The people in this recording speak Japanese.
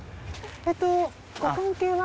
えっとご関係は？